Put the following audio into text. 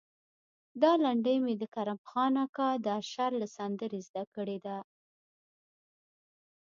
دا لنډۍ مې د کرم خان اکا د اشر له سندرې زده کړې ده.